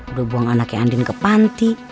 udah buang anaknya andin ke panti